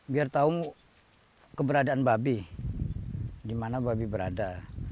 biar tahu keberadaan babi di mana babi berada